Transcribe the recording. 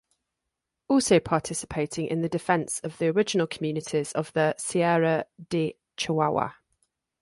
Also participating in the defense of the original communities of the Sierra de Chihuahua.